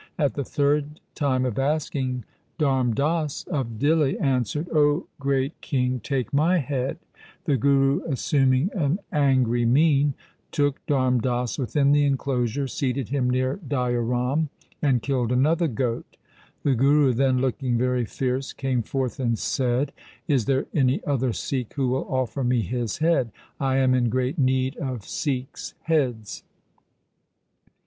At the third time of asking Dharm Das of Dihli answered, ' O great king, take my head.' The Guru, THE SIKH RELIGION assuming an angry mien, took Dharm Das within the enclosure, seated him near Daya Ram, and killed another goat. The Guru then looking very fierce came forth and said, ' Is there any other Sikh who will offer me his head ? I am in great need of Sikhs' heads.'